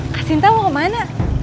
kak sinta mau kemana